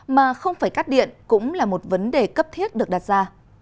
mà không phải cắt điện cũng là một vấn đề cấp thiết được đặt ra